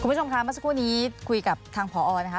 คุณผู้ชมค่ะเมื่อสักครู่นี้คุยกับทางผอนะคะ